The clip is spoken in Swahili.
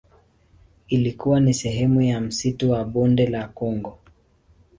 Ilikuwa ni sehemu ya msitu wa Bonde la Kongo.